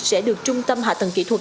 sẽ được trung tâm hạ thần kỹ thuật